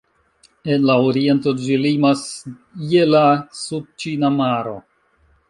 En la oriento ĝi limas je la Sudĉina maro.